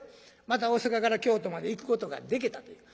また大坂から京都まで行くことがでけたという。